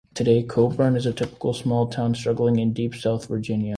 Today Coeburn is a typical small town struggling in deep southwest Virginia.